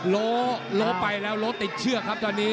โล้ไปแล้วโล้ติดเชือกครับตอนนี้